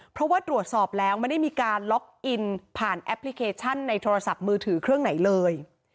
เพราะว่าตรวจสอบแล้วไม่ได้มีการล็อกอินผ่านแอปพลิเคชันในโทรศัพท์มือถือเครื่องไหนเลย